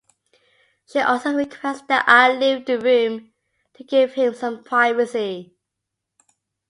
She also requests that I leave the room to give him some privacy.